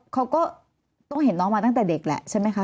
เขาก็ต้องเห็นน้องมาตั้งแต่เด็กแหละใช่ไหมคะ